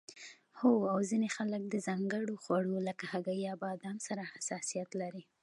هو او ځینې خلک د ځانګړو خوړو لکه هګۍ یا بادام سره حساسیت لري